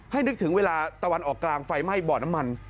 นึกถึงเวลาตะวันออกกลางไฟไหม้บ่อน้ำมัน